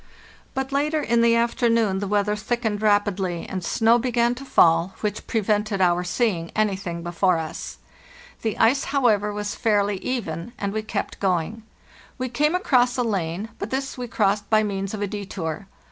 but later in the afternoon the weather thickened rapidly 204 FARTHEST NORTH and snow began to fall, which prevented our seeing anything before us. The ice, however, was fairly even, and we kept going. We came across a lane, but this we crossed by means of a detour.